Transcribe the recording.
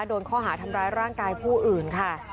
โดนข้อหาทำร้ายร่างกายผู้อื่นค่ะ